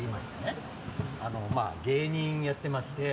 芸人をやってまして。